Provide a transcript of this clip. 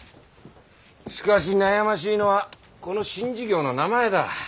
しかし悩ましいのはこの新事業の名前だ。